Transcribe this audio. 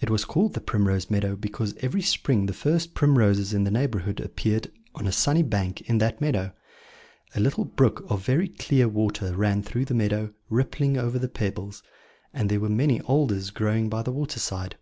It was called the Primrose Meadow because every spring the first primroses in the neighbourhood appeared on a sunny bank in that meadow. A little brook of very clear water ran through the meadow, rippling over the pebbles; and there were many alders growing by the water side.